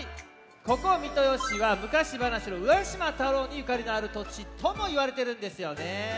ここ三豊市はむかしばなしの「浦島太郎」にゆかりのあるとちともいわれてるんですよね。